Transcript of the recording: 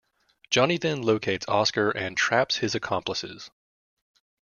Johnny then locates Oscar and traps his accomplices.